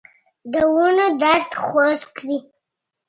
دونو درد خوږ کړی